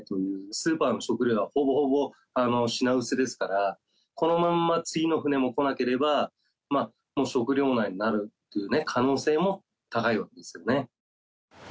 スーパーの食料がほぼほぼ品薄ですから、このまんま次の船も来なければ、もう食料難になるというね、可能性も高いわけですけどね。